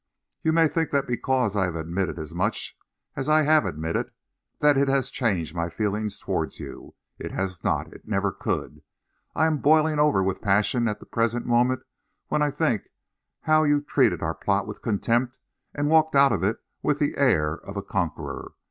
You may think that because I have admitted as much as I have admitted, that it has changed my feelings towards you. It has not. It never could. I am boiling over with passion at the present moment when I think how you treated our plot with contempt and walked out of it with the air of a conqueror.